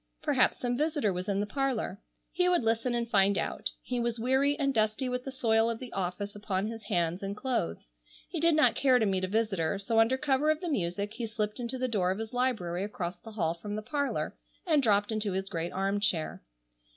Perhaps some visitor was in the parlor. He would listen and find out. He was weary and dusty with the soil of the office upon his hands and clothes. He did not care to meet a visitor, so under cover of the music he slipped into the door of his library across the hall from the parlor and dropped into his great arm chair.